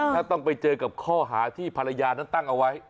ถ้าต้องไปเจอกับข้อหาที่ภรรยานั้นตั้งเอาไว้